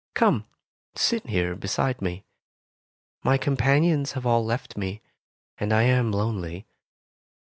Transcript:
"Come, sit here beside me. My companions have all left me, and I am lonely.